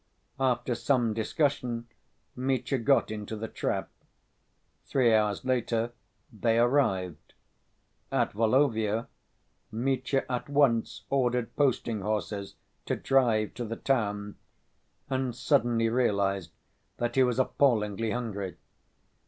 After some discussion Mitya got into the trap. Three hours later they arrived. At Volovya, Mitya at once ordered posting‐horses to drive to the town, and suddenly realized that he was appallingly hungry.